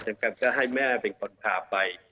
จะให้แม่เป็นคนพาไป